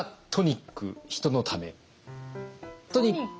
トニック？